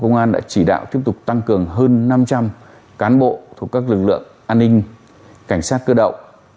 công an đã chỉ đạo tiếp tục tăng cường hơn năm trăm linh cán bộ thuộc các lực lượng an ninh cảnh sát cơ động